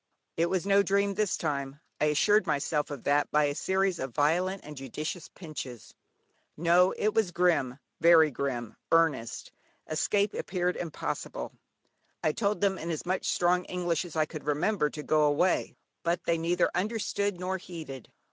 It was no dream this time I assured myself of that by a series of violent and judicious pinches; no! it was grim, very grim, earnest. Escape appeared impossible. I told them in as much strong English as I could remember, to go away, but they neither understood nor heeded.